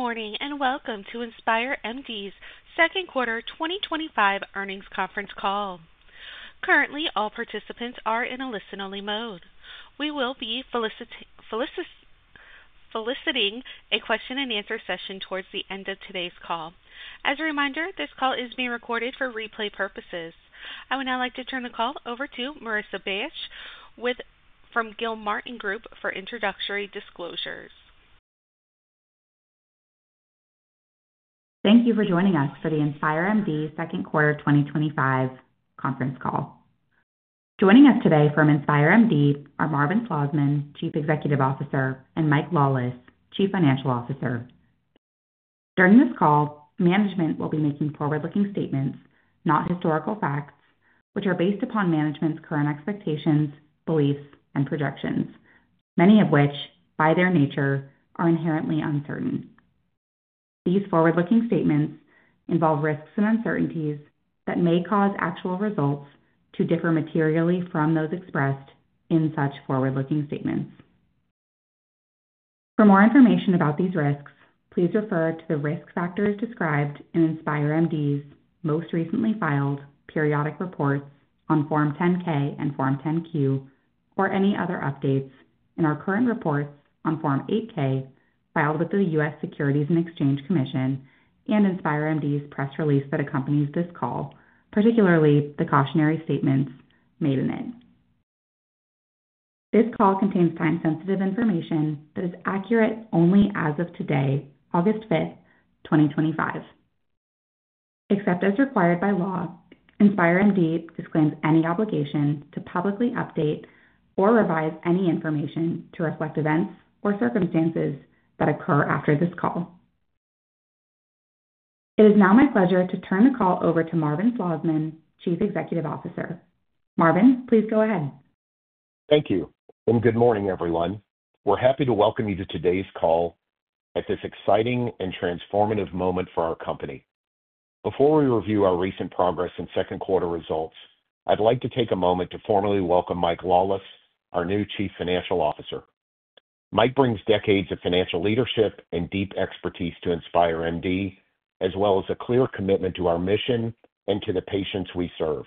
Good morning and welcome to InspireMD's second quarter 2025 earnings conference call. Currently, all participants are in a listen-only mode. We will be facilitating a question-and-answer session towards the end of today's call. As a reminder, this call is being recorded for replay purposes. I would now like to turn the call over to Marissa Bych from Gilmartin Group for introductory disclosures. Thank you for joining us for the InspireMD second quarter 2025 conference call. Joining us today from InspireMD are Marvin Slosman, Chief Executive Officer, and Mike Wallace, Chief Financial Officer. During this call, management will be making forward-looking statements, not historical facts, which are based upon management's current expectations, beliefs, and projections, many of which, by their nature, are inherently uncertain. These forward-looking statements involve risks and uncertainties that may cause actual results to differ materially from those expressed in such forward-looking statements. For more information about these risks, please refer to the risk factors described in InspireMD's most recently filed periodic reports on Form 10-K and Form 10-Q or any other updates in our current reports on Form 8-K filed with the U.S. Securities and Exchange Commission and InspireMD's press release that accompanies this call, particularly the cautionary statements made in it. This call contains time-sensitive information that is accurate only as of today, August 5, 2025. Except as required by law, InspireMD disclaims any obligation to publicly update or revise any information to reflect events or circumstances that occur after this call. It is now my pleasure to turn the call over to Marvin Seligman, Chief Executive Officer. Marvin, please go ahead. Thank you, and good morning, everyone. We're happy to welcome you to today's call at this exciting and transformative moment for our company. Before we review our recent progress and second quarter results, I'd like to take a moment to formally welcome Mike Wallace, our new Chief Financial Officer. Mike brings decades of financial leadership and deep expertise to InspireMD, as well as a clear commitment to our mission and to the patients we serve.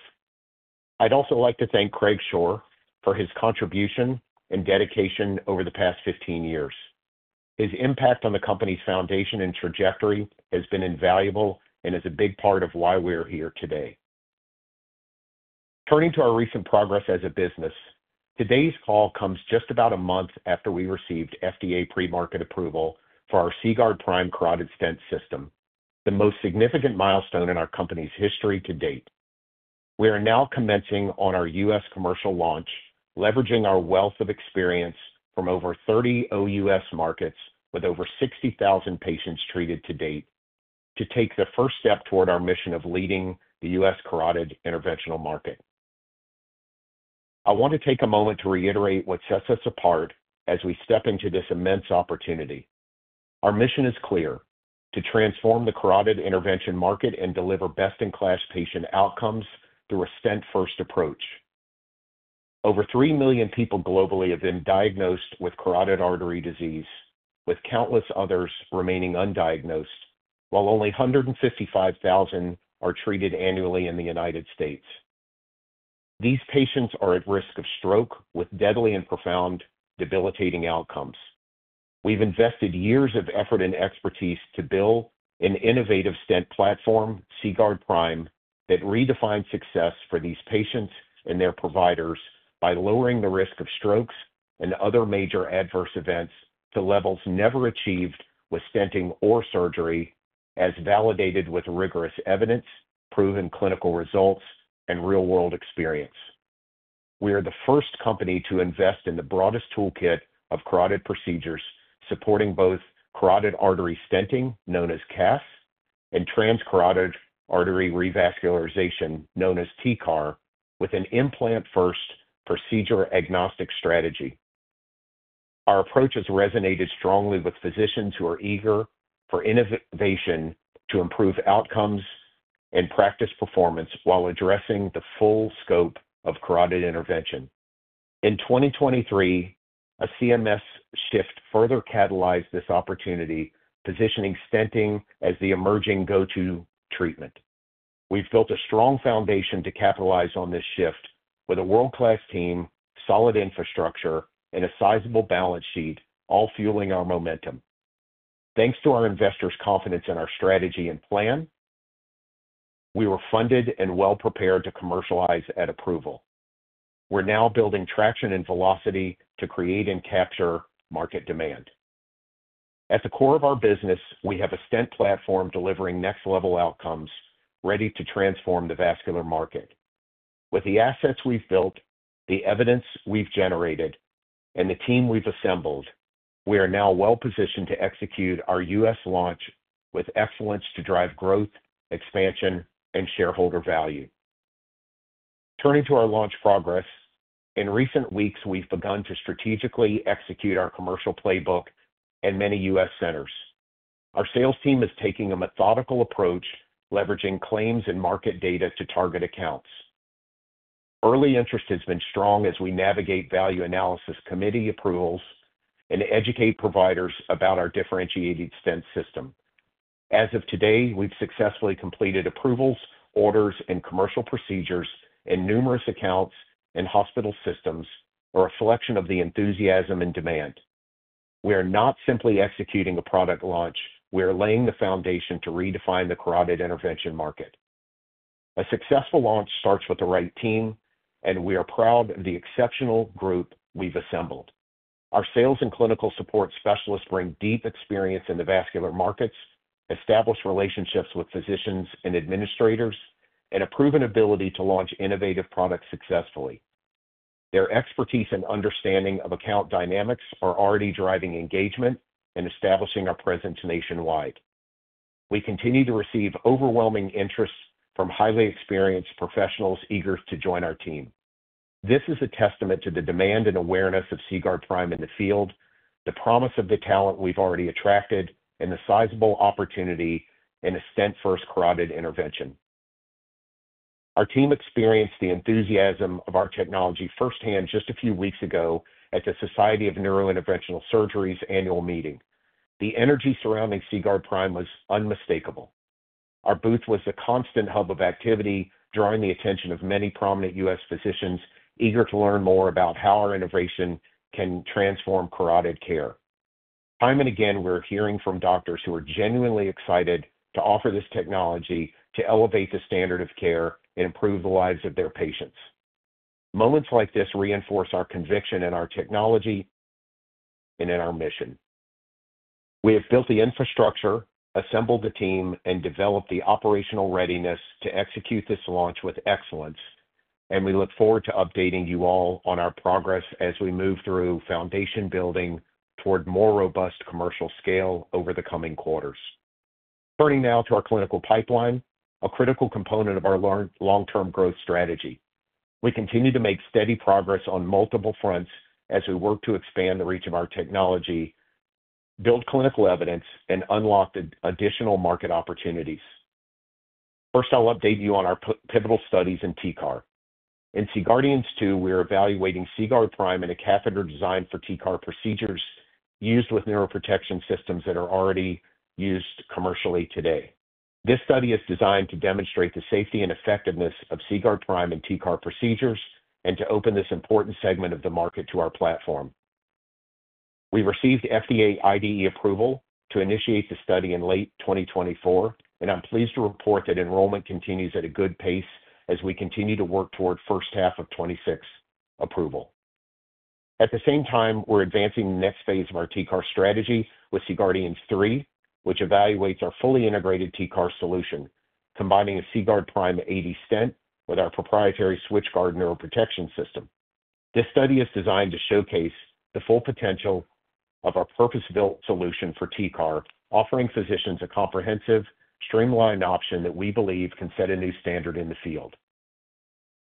I'd also like to thank Craig Shore for his contribution and dedication over the past 15 years. His impact on the company's foundation and trajectory has been invaluable and is a big part of why we're here today. Turning to our recent progress as a business, today's call comes just about a month after we received FDA premarket approval for our CGuard Prime carotid stent system, the most significant milestone in our company's history to date. We are now commencing on our U.S. commercial launch, leveraging our wealth of experience from over 30 OUS markets with over 60,000 patients treated to date, to take the first step toward our mission of leading the U.S. carotid interventional market. I want to take a moment to reiterate what sets us apart as we step into this immense opportunity. Our mission is clear: to transform the carotid intervention market and deliver best-in-class patient outcomes through a stent-first approach. Over 3 million people globally have been diagnosed with carotid artery disease, with countless others remaining undiagnosed, while only 155,000 are treated annually in the United States. These patients are at risk of stroke with deadly and profound debilitating outcomes. We've invested years of effort and expertise to build an innovative stent platform, CGuard Prime, that redefines success for these patients and their providers by lowering the risk of strokes and other major adverse events to levels never achieved with stenting or surgery, as validated with rigorous evidence, proven clinical results, and real-world experience. We are the first company to invest in the broadest toolkit of carotid procedures, supporting both carotid artery stenting, known as CAS, and transcarotid artery revascularization, known as TCAR, with an implant-first procedure-agnostic strategy. Our approach has resonated strongly with physicians who are eager for innovation to improve outcomes and practice performance while addressing the full scope of carotid intervention. In 2023, a CMS shift further catalyzed this opportunity, positioning stenting as the emerging go-to treatment. We've built a strong foundation to capitalize on this shift with a world-class team, solid infrastructure, and a sizable balance sheet, all fueling our momentum. Thanks to our investors' confidence in our strategy and plan, we were funded and well-prepared to commercialize at approval. We're now building traction and velocity to create and capture market demand. At the core of our business, we have a stent platform delivering next-level outcomes, ready to transform the vascular market. With the assets we've built, the evidence we've generated, and the team we've assembled, we are now well-positioned to execute our U.S. launch with excellence to drive growth, expansion, and shareholder value. Turning to our launch progress, in recent weeks, we've begun to strategically execute our commercial playbook in many U.S. centers. Our sales team is taking a methodical approach, leveraging claims and market data to target accounts. Early interest has been strong as we navigate value analysis committee approvals and educate providers about our differentiated stent system. As of today, we've successfully completed approvals, orders, and commercial procedures in numerous accounts and hospital systems, a reflection of the enthusiasm and demand. We are not simply executing a product launch, we are laying the foundation to redefine the carotid intervention market. A successful launch starts with the right team, and we are proud of the exceptional group we've assembled. Our sales and clinical support specialists bring deep experience in the vascular markets, establish relationships with physicians and administrators, and a proven ability to launch innovative products successfully. Their expertise and understanding of account dynamics are already driving engagement and establishing our presence nationwide. We continue to receive overwhelming interest from highly experienced professionals eager to join our team. This is a testament to the demand and awareness of CGuard Prime in the field, the promise of the talent we've already attracted, and the sizable opportunity in a stent-first carotid intervention. Our team experienced the enthusiasm of our technology firsthand just a few weeks ago at the Society of Neurointerventional Surgery's annual meeting. The energy surrounding CGuard Prime was unmistakable. Our booth was a constant hub of activity, drawing the attention of many prominent U.S. physicians eager to learn more about how our innovation can transform carotid care. Time and again, we're hearing from doctors who are genuinely excited to offer this technology to elevate the standard of care and improve the lives of their patients. Moments like this reinforce our conviction in our technology and in our mission. We have built the infrastructure, assembled the team, and developed the operational readiness to execute this launch with excellence, and we look forward to updating you all on our progress as we move through foundation building toward more robust commercial scale over the coming quarters. Turning now to our clinical pipeline, a critical component of our long-term growth strategy. We continue to make steady progress on multiple fronts as we work to expand the reach of our technology, build clinical evidence, and unlock the additional market opportunities. First, I'll update you on our pivotal studies in TCAR. In CGuard Dienst II, we are evaluating CGuard Prime in a catheter design for TCAR procedures used with neuroprotection systems that are already used commercially today. This study is designed to demonstrate the safety and effectiveness of CGuard Prime in TCAR procedures and to open this important segment of the market to our platform. We received FDA IDE approval to initiate the study in late 2024, and I'm pleased to report that enrollment continues at a good pace as we continue to work toward the first half of 2026 approval. At the same time, we're advancing the next phase of our TCAR strategy with CGuard Dienst III, which evaluates our fully integrated TCAR solution, combining a CGuard Prime 80 stent with our proprietary SwitchGuard neuroprotection system. This study is designed to showcase the full potential of our purpose-built solution for TCAR, offering physicians a comprehensive, streamlined option that we believe can set a new standard in the field.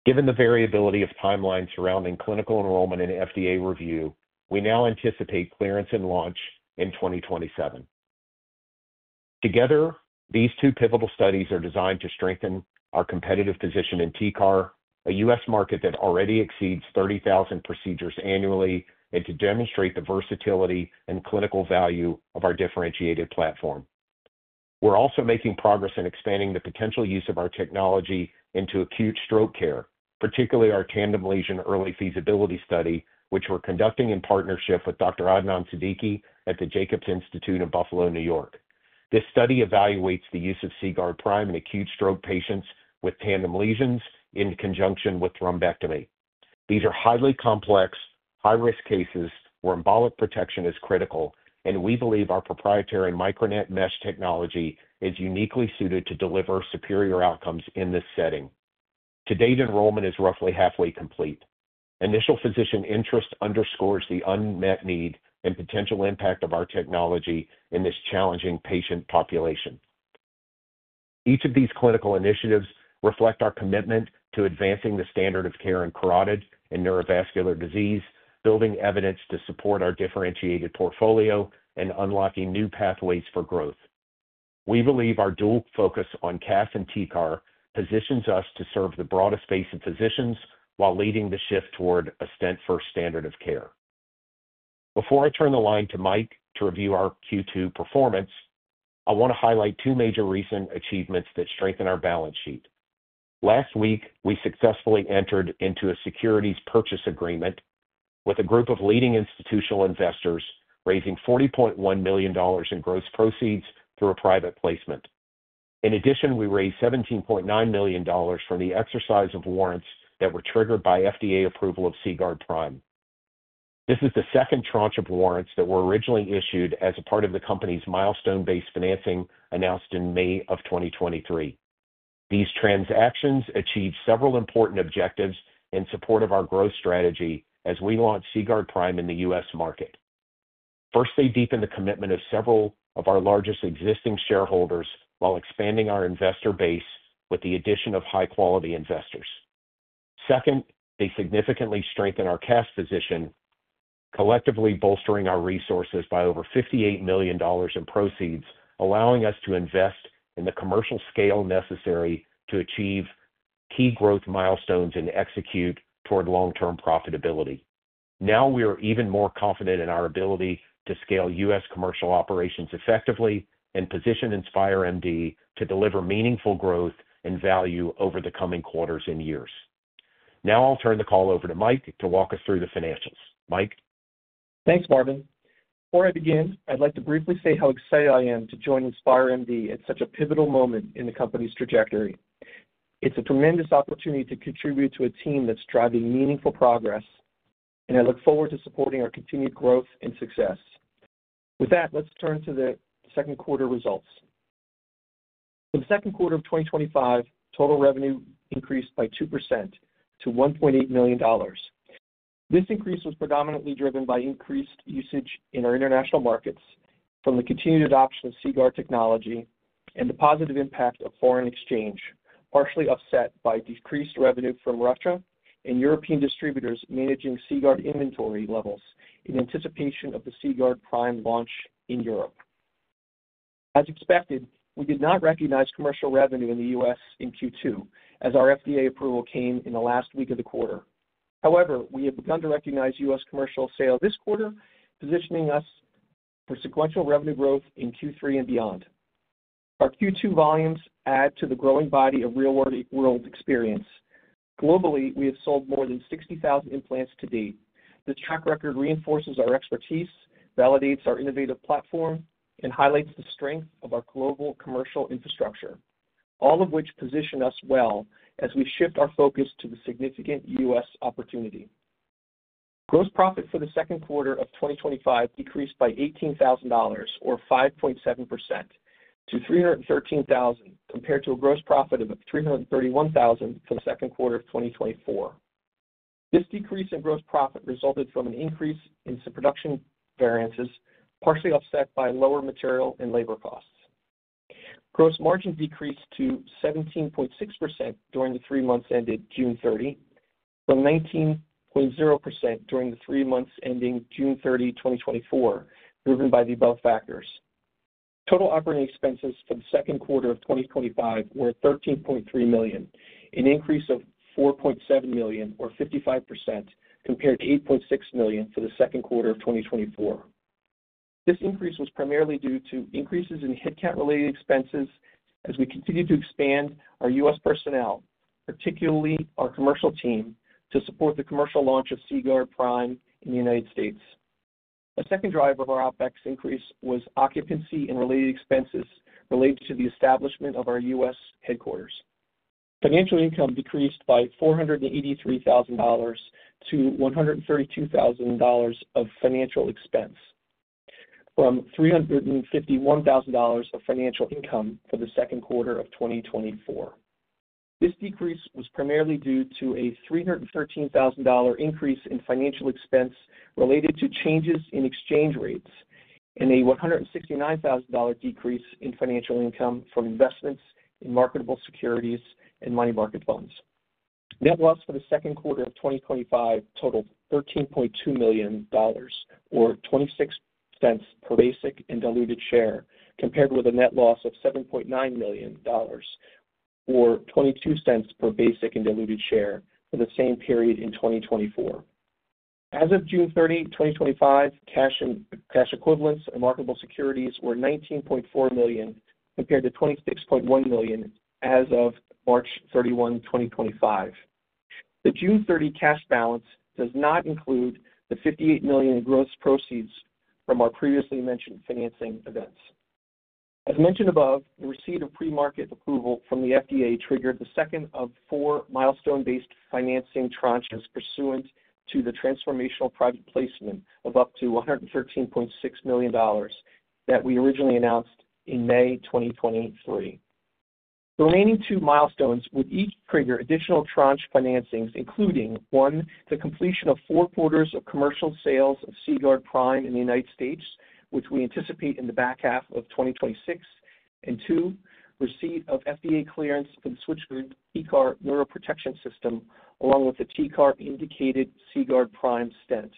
Given the variability of timelines surrounding clinical enrollment and FDA review, we now anticipate clearance and launch in 2027. Together, these two pivotal studies are designed to strengthen our competitive position in TCAR, a U.S. market that already exceeds 30,000 procedures annually, and to demonstrate the versatility and clinical value of our differentiated platform. We're also making progress in expanding the potential use of our technology into acute stroke care, particularly our tandem lesion early feasibility study, which we're conducting in partnership with Dr. Adnan Siddiqui at the Jacobs Institute in Buffalo, New York. This study evaluates the use of CGuard Prime in acute stroke patients with tandem lesions in conjunction with thrombectomy. These are highly complex, high-risk cases where embolic protection is critical, and we believe our proprietary MicroNet technology is uniquely suited to deliver superior outcomes in this setting. To date, enrollment is roughly halfway complete. Initial physician interest underscores the unmet need and potential impact of our technology in this challenging patient population. Each of these clinical initiatives reflects our commitment to advancing the standard of care in carotid and neurovascular disease, building evidence to support our differentiated portfolio, and unlocking new pathways for growth. We believe our dual focus on CAS and TCAR positions us to serve the broadest base of physicians while leading the shift toward a stent-first standard of care. Before I turn the line to Mike to review our Q2 performance, I want to highlight two major recent achievements that strengthen our balance sheet. Last week, we successfully entered into a securities purchase agreement with a group of leading institutional investors, raising $40.1 million in gross proceeds through a private placement. In addition, we raised $17.9 million from the exercise of warrants that were triggered by FDA premarket approval of CGuard Prime. This is the second tranche of warrants that were originally issued as a part of the company's milestone-based financing announced in May of 2023. These transactions achieved several important objectives in support of our growth strategy as we launched CGuard Prime in the U.S. market. First, they deepened the commitment of several of our largest existing shareholders while expanding our investor base with the addition of high-quality investors. Second, they significantly strengthened our CAS position, collectively bolstering our resources by over $58 million in proceeds, allowing us to invest in the commercial scale necessary to achieve key growth milestones and execute toward long-term profitability. Now we are even more confident in our ability to scale U.S. commercial operations effectively and position InspireMD to deliver meaningful growth and value over the coming quarters and years. Now I'll turn the call over to Mike to walk us through the financials. Mike. Thanks, Marvin. Before I begin, I'd like to briefly say how excited I am to join InspireMD at such a pivotal moment in the company's trajectory. It's a tremendous opportunity to contribute to a team that's driving meaningful progress, and I look forward to supporting our continued growth and success. With that, let's turn to the second quarter results. In the second quarter of 2025, total revenue increased by 2% to $1.8 million. This increase was predominantly driven by increased usage in our international markets from the continued adoption of CGuard technology and the positive impact of foreign exchange, partially offset by decreased revenue from Russia and European distributors managing CGuard inventory levels in anticipation of the CGuard Prime launch in Europe. As expected, we did not recognize commercial revenue in the U.S. in Q2 as our FDA premarket approval came in the last week of the quarter. However, we have begun to recognize U.S. commercial sales this quarter, positioning us for sequential revenue growth in Q3 and beyond. Our Q2 volumes add to the growing body of real-world experience. Globally, we have sold more than 60,000 implants to date. The track record reinforces our expertise, validates our innovative platform, and highlights the strength of our global commercial infrastructure, all of which position us well as we shift our focus to the significant U.S. opportunity. Gross profit for the second quarter of 2025 decreased by $18,000 or 5.7% to $313,000 compared to a gross profit of $331,000 from the second quarter of 2024. This decrease in gross profit resulted from an increase in production variances, partially offset by lower material and labor costs. Gross margin decreased to 17.6% during the three months ended June 30, from 19.0% during the three months ending June 30, 2024, driven by the above factors. Total operating expenses for the second quarter of 2025 were $13.3 million, an increase of $4.7 million or 55% compared to $8.6 million for the second quarter of 2024. This increase was primarily due to increases in SG&A-related expenses as we continue to expand our U.S. personnel, particularly our commercial team, to support the commercial launch of CGuard Prime in the United States. A second driver of our operating expenses increase was occupancy and related expenses related to the establishment of our U.S. headquarters. Financial income decreased by $483,000 to $132,000 of financial expense, from $351,000 of financial income for the second quarter of 2024. This decrease was primarily due to a $313,000 increase in financial expense related to changes in exchange rates and a $169,000 decrease in financial income from investments in marketable securities and money market funds. Net loss for the second quarter of 2025 totaled $13.2 million or $0.26 per basic and diluted share, compared with a net loss of $7.9 million or $0.22 per basic and diluted share for the same period in 2024. As of June 30, 2025, cash equivalents and marketable securities were $19.4 million compared to $26.1 million as of March 31, 2025. The June 30 cash balance does not include the $58 million in gross proceeds from our previously mentioned financing events. As mentioned above, the receipt of premarket approval from the FDA triggered the second of four milestone-based financing tranches pursuant to the transformational private placement of up to $113.6 million that we originally announced in May 2023. The remaining two milestones would each trigger additional tranche financings, including one, the completion of four quarters of commercial sales of CGuard Prime in the United States, which we anticipate in the back half of 2026, and two, receipt of FDA clearance for the SwitchGuard TCAR neuroprotection system, along with the TCAR indicated CGuard Prime stent.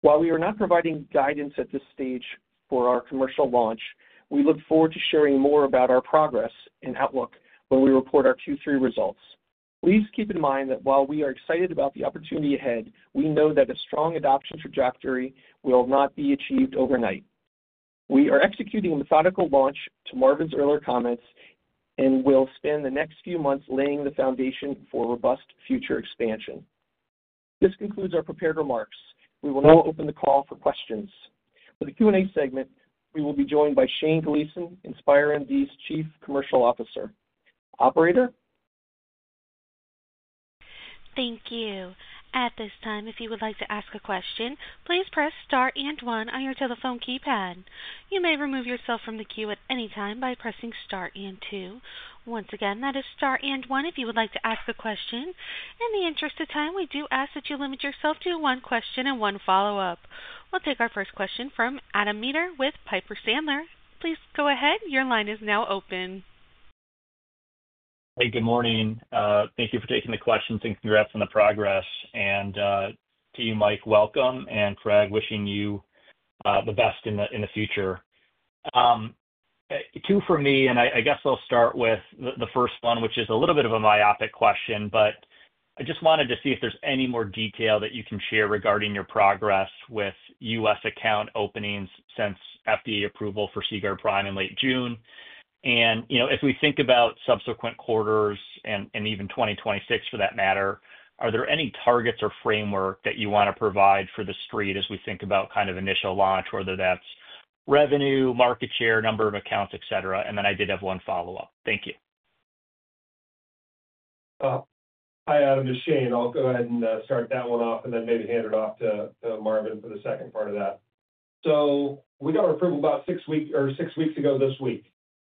While we are not providing guidance at this stage for our commercial launch, we look forward to sharing more about our progress and outlook when we report our Q3 results. Please keep in mind that while we are excited about the opportunity ahead, we know that a strong adoption trajectory will not be achieved overnight. We are executing a methodical launch to Marvin's earlier comments and will spend the next few months laying the foundation for robust future expansion. This concludes our prepared remarks. We will now open the call for questions. For the Q&A segment, we will be joined by Shane Gleason, InspireMD's Chief Commercial Officer. Operator? Thank you. At this time, if you would like to ask a question, please press star and one on your telephone keypad. You may remove yourself from the queue at any time by pressing star and two. Once again, that is star and one if you would like to ask a question. In the interest of time, we do ask that you limit yourself to one question and one follow-up. We'll take our first question from Adam Meeder with Piper Sandler. Please go ahead. Your line is now open. Hey, good morning. Thank you for taking the question. Thanks for your efforts on the progress. To you, Mike, welcome. Craig, wishing you the best in the future. Two for me, and I guess I'll start with the first one, which is a little bit of a myopic question, but I just wanted to see if there's any more detail that you can share regarding your progress with U.S. account openings since FDA premarket approval for CGuard Prime in late June. If we think about subsequent quarters and even 2026 for that matter, are there any targets or framework that you want to provide for the street as we think about kind of initial launch, whether that's revenue, market share, number of accounts, etc.? I did have one follow-up. Thank you. Hi, Adam. It's Shane. I'll go ahead and start that one off and then maybe hand it off to Marvin for the second part of that. We got our approval about six weeks or six weeks ago this week,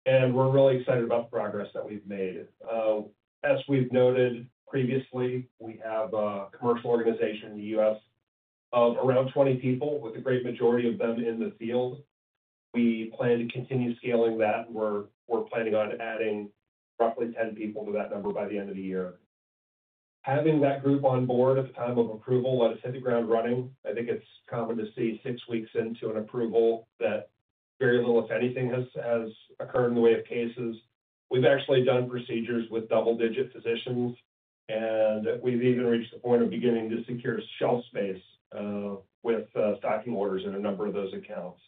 and we're really excited about the progress that we've made. As we've noted previously, we have a commercial organization in the U.S. of around 20 people, with a great majority of them in the field. We plan to continue scaling that, and we're planning on adding roughly 10 people to that number by the end of the year. Having that group on board at the time of approval let us hit the ground running. I think it's common to see six weeks into an approval that very little, if anything, has occurred in the way of cases. We've actually done procedures with double-digit physicians, and we've even reached the point of beginning to secure shelf space, with stocking orders in a number of those accounts.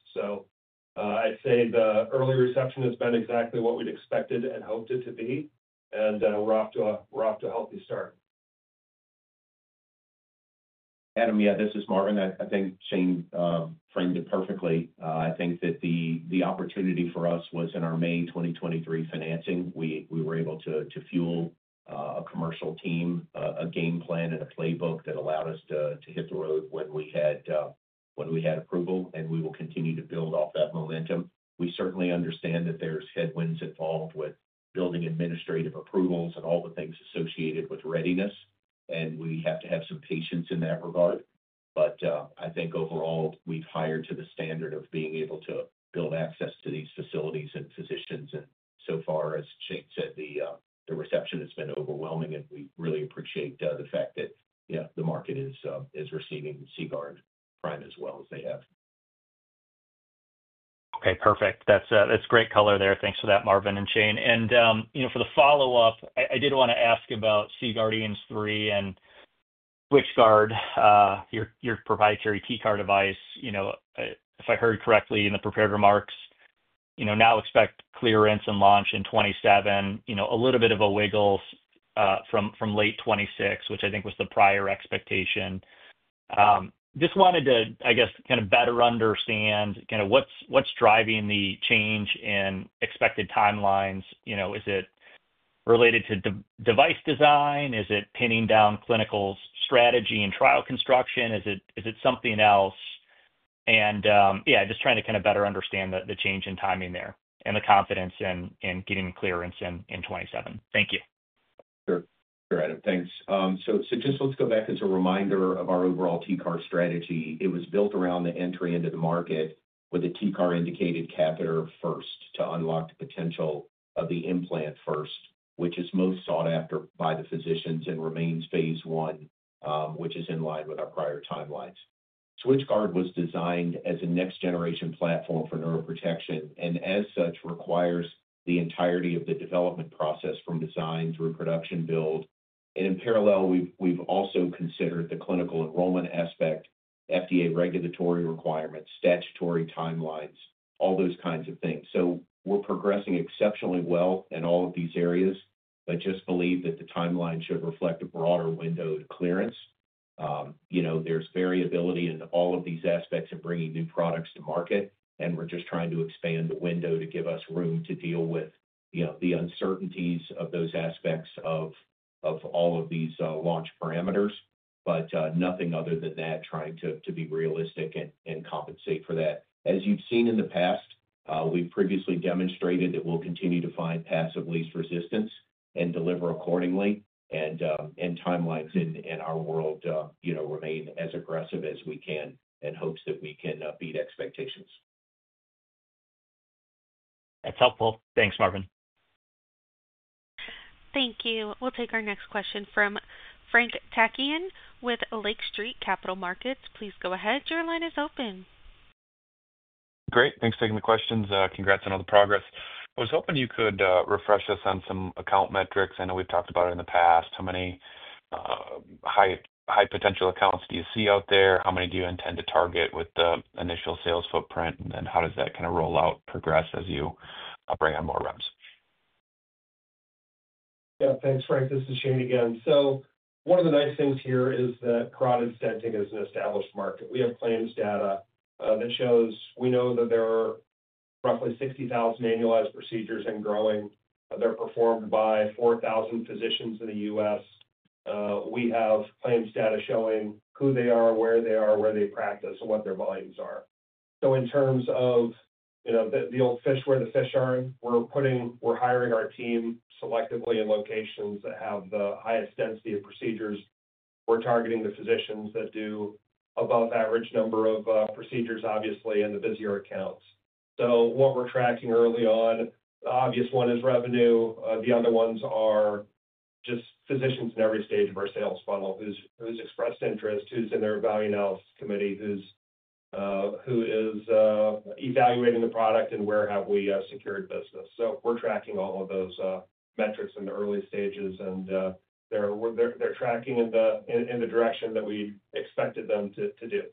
I'd say the early reception has been exactly what we'd expected and hoped it to be, and we're off to a healthy start. Adam, yeah, this is Marvin. I think Shane framed it perfectly. I think that the opportunity for us was in our May 2023 financing. We were able to fuel a commercial team, a game plan, and a playbook that allowed us to hit the road when we had approval, and we will continue to build off that momentum. We certainly understand that there's headwinds involved with building administrative approvals and all the things associated with readiness. We have to have some patience in that regard. I think overall, we've hired to the standard of being able to build access to these facilities and physicians. As Shane said, the reception has been overwhelming, and we really appreciate the fact that the market is receiving CGuard Prime as well as they have. Okay, perfect. That's great color there. Thanks for that, Marvin and Shane. For the follow-up, I did want to ask about CGuard Dienst III and SwitchGuard, your proprietary TCAR device. If I heard correctly in the prepared remarks, you now expect clearance and launch in 2027, a little bit of a wiggle from late 2026, which I think was the prior expectation. Just wanted to better understand what's driving the change in expected timelines. Is it related to device design? Is it pinning down clinical strategy and trial construction? Is it something else? Just trying to better understand the change in timing there and the confidence in getting clearance in 2027. Thank you. Sure. All right. Thanks. Just let's go back as a reminder of our overall TCAR strategy. It was built around the entry into the market with the TCAR indicated catheter first to unlock the potential of the implant first, which is most sought after by the physicians and remains phase one, which is in line with our prior timelines. SwitchGuard was designed as a next-generation platform for neuroprotection and as such requires the entirety of the development process from design through production build. In parallel, we've also considered the clinical enrollment aspect, FDA regulatory requirements, statutory timelines, all those kinds of things. We're progressing exceptionally well in all of these areas, just believe that the timeline should reflect a broader window of clearance. There's variability in all of these aspects of bringing new products to market, and we're just trying to expand the window to give us room to deal with the uncertainties of those aspects of all of these launch parameters. Nothing other than that, trying to be realistic and compensate for that. As you've seen in the past, we've previously demonstrated that we'll continue to find paths of least resistance and deliver accordingly. In timelines, in our world, remain as aggressive as we can in hopes that we can beat expectations. That's helpful. Thanks, Marvin. Thank you. We'll take our next question from Frank Takkinen with Lake Street Capital Markets. Please go ahead. Your line is open. Great. Thanks for taking the questions. Congrats on all the progress. I was hoping you could refresh us on some account metrics. I know we've talked about it in the past. How many high potential accounts do you see out there? How many do you intend to target with the initial sales footprint? How does that kind of rollout progress as you bring on more reps? Yeah, thanks, Frank. This is Shane again. One of the nice things here is that carotid stenting is an established market. We have claims data that shows we know that there are roughly 60,000 annualized procedures and growing that are performed by 4,000 physicians in the U.S. We have claims data showing who they are, where they are, where they practice, and what their volumes are. In terms of, you know, the old fish where the fish aren't, we're hiring our team selectively in locations that have the highest density of procedures. We're targeting the physicians that do above average number of procedures, obviously, and the busier accounts. What we're tracking early on, the obvious one is revenue. The other ones are just physicians in every stage of our sales funnel, who's expressed interest, who's in their value analysis committee, who's evaluating the product, and where we have secured business. We're tracking all of those metrics in the early stages, and they're tracking in the direction that we expected them to do.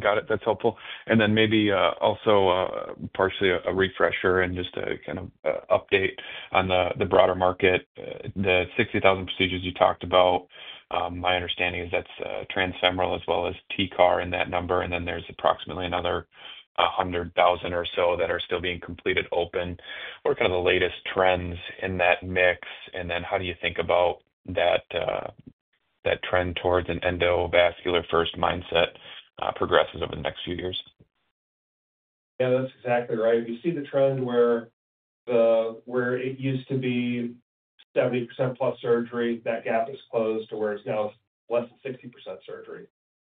Got it. That's helpful. Maybe also partially a refresher and just a kind of update on the broader market. The 60,000 procedures you talked about, my understanding is that's transfemoral as well as TCAR in that number. There's approximately another 100,000 or so that are still being completed open. What are kind of the latest trends in that mix? How do you think about that trend towards an endovascular-first mindset progresses over the next few years? Yeah, that's exactly right. We see the trend where it used to be 70%+ surgery, that gap has closed to where it's now less than 60% surgery,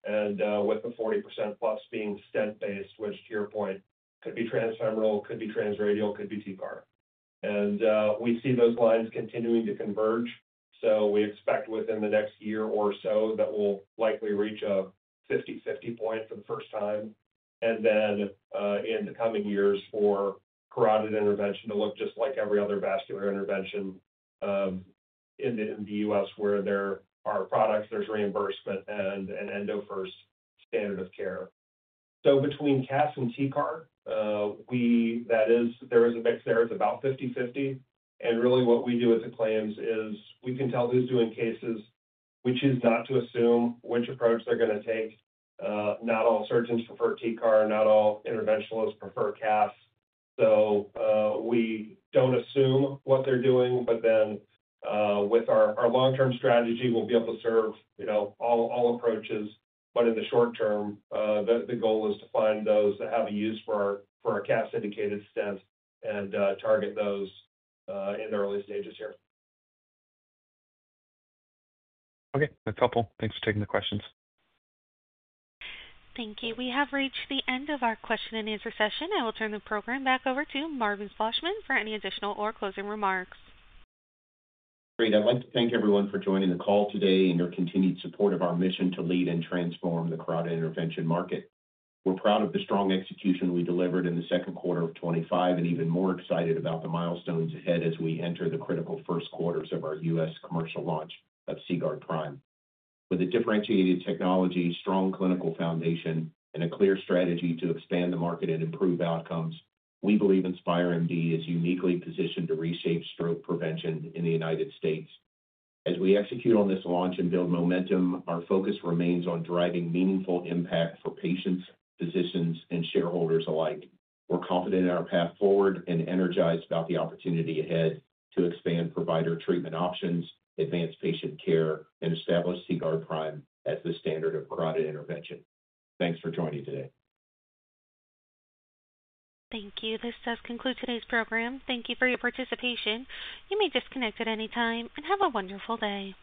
with the 40%+ being stent-based, which to your point could be transfemoral, could be transradial, could be TCAR. We see those lines continuing to converge. We expect within the next year or so that we'll likely reach a 50/50 point for the first time. In the coming years, carotid intervention will look just like every other vascular intervention in the U.S. where there are products, there's reimbursement, and an endo-first standard of care. Between CAS and TCAR, there is a mix there. It's about 50/50. What we do as a claims is we can tell who's doing cases. We choose not to assume which approach they're going to take. Not all surgeons prefer TCAR. Not all interventionalists prefer CAS. We don't assume what they're doing, but with our long-term strategy, we'll be able to serve all approaches. In the short term, the goal is to find those that have a use for a CAS indicated stent and target those in the early stages here. Okay, that's helpful. Thanks for taking the questions. Thank you. We have reached the end of our question and answer session. I will turn the program back over to Marvin Slagman for any additional or closing remarks. Great. I'd like to thank everyone for joining the call today and your continued support of our mission to lead and transform the carotid intervention market. We're proud of the strong execution we delivered in the second quarter of 2025 and even more excited about the milestones ahead as we enter the critical first quarters of our U.S. commercial launch of CGuard Prime. With a differentiated technology, strong clinical foundation, and a clear strategy to expand the market and improve outcomes, we believe InspireMD is uniquely positioned to reshape stroke prevention in the United States. As we execute on this launch and build momentum, our focus remains on driving meaningful impact for patients, physicians, and shareholders alike. We're confident in our path forward and energized about the opportunity ahead to expand provider treatment options, advance patient care, and establish CGuard Prime as the standard of carotid intervention. Thanks for joining today. Thank you. This does conclude today's program. Thank you for your participation. You may disconnect at any time and have a wonderful day.